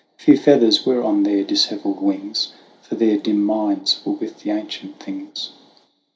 Few feathers were on their dishevelled wings, For their dim minds were with the ancient things.